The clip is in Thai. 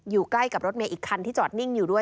อยู่ใกล้กับรถเมย์อีกคันที่จอดนิ่งอยู่ด้วย